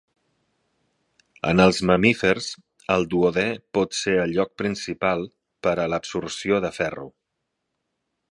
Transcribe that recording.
En els mamífers el duodè pot ser el lloc principal per a l'absorció de ferro.